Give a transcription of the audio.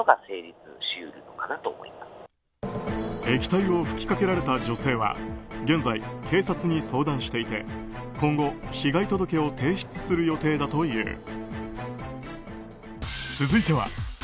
液体を吹きかけられた女性は現在、警察に相談していて今後、被害届を提出する予定だという。